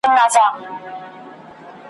زه خبر سوم `